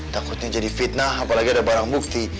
takutnya jadi fitnah apalagi ada barang bukti